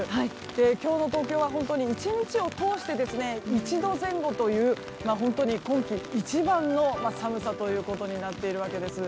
今日の東京は本当に１日を通して１度前後という本当に今季一番の寒さということになっているわけです。